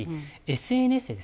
ＳＮＳでですね